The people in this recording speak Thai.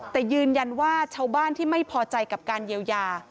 แต่ยืนยันว่าชาวบ้านที่ไม่พอใจกับการเยียวยา